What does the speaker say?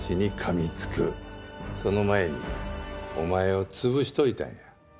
その前にお前を潰しといたんや。